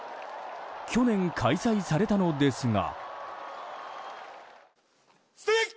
去年開催されたのですが。